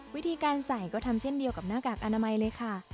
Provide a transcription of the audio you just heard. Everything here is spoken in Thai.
วิธีการใส่ก็ทำเช่นเดียวกับหน้ากากอนามัยเลยค่ะ